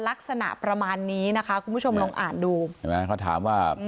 ลักษณะประมาณนี้นะคะคุณผู้ชมลองอ่านดูเห็นไหมเขาถามว่า